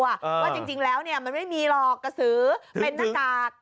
ว่าจริงแล้วเนี่ยมันไม่มีหรอกกระสือเป็นหน้ากาก